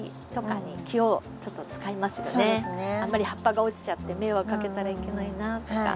あんまり葉っぱが落ちちゃって迷惑かけたらいけないなとか。